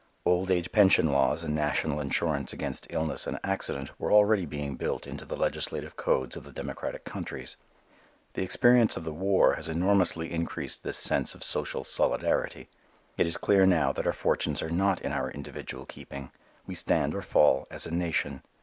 Old age pension laws and national insurance against illness and accident were already being built into the legislative codes of the democratic countries. The experience of the war has enormously increased this sense of social solidarity. It is clear now that our fortunes are not in our individual keeping. We stand or fall as a nation.